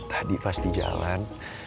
tadi pas di jalan